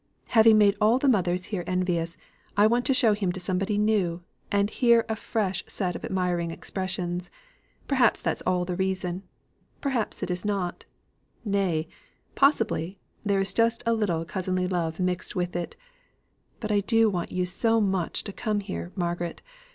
Having made all the mothers here envious, I want to show him to somebody new, and hear a fresh set of admiring expressions; perhaps, that's all the reason; perhaps it is not nay, possibly, there is just a little cousinly love mixed with it; but I do want you so much to come here, Margaret!